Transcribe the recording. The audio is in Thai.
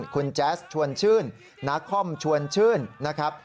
คุณแจ๊สชวนชื่นนักคอมชวนชื่นนะครับ